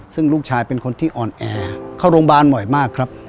ซึ่งลูกชายเป็นคนที่อ่อนแอเข้าโรงพยาบาลบ่อยมากครับ